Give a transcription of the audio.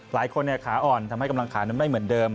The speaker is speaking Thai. หลายคนขาอ่อนทำให้กำลังขานั้นไม่เหมือนเดิม